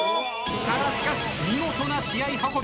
ただしかし見事な試合運び。